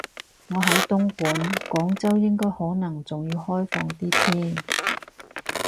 我喺東莞，廣州應該可能仲要開放啲添